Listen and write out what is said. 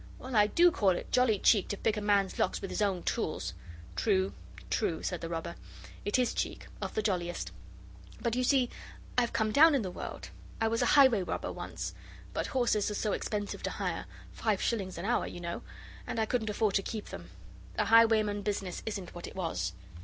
Well, I do call it jolly cheek to pick a man's locks with his own tools!' 'True, true,' said the robber. 'It is cheek, of the jolliest! But you see I've come down in the world. I was a highway robber once, but horses are so expensive to hire five shillings an hour, you know and I couldn't afford to keep them. The highwayman business isn't what it was.